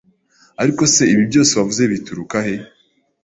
ariko se ibi byose wavuze bituruka he